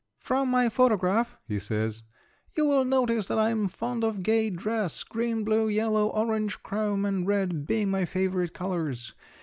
"From my photograph," he says; "you will notice that I am fond of gay dress, green, blue, yellow, orange chrome, and red being my favorite colors.